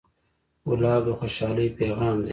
ګلاب د خوشحالۍ پیغام دی.